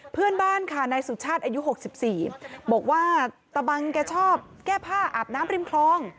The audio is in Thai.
เพื่อนบ้านค่ะนายสุชาติอายุ๖๔บอกว่าตะบังแกชอบแก้ผ้าอาบน้ำริมคลอง